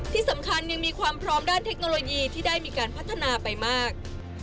ที่สำคัญยังมีความพร้อมด้านเทคโนโลยีที่ได้มีการพัฒนาไปมาก